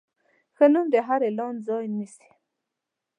ښه نوم د هر اعلان ځای نیسي.